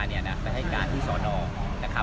ไม่ใช่นี่คือบ้านของคนที่เคยดื่มอยู่หรือเปล่า